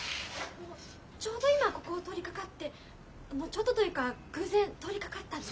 ちょうど今ここを通りかかってちょうどというか偶然通りかかったんです。